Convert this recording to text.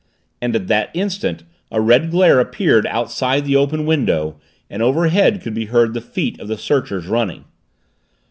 And at that instant a red glare appeared outside the open window and overhead could be heard the feet of the searchers, running.